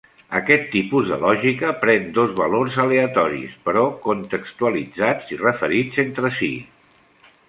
Aquest tipus de lògica pren dos valors aleatoris, però contextualitzats i referits entre si.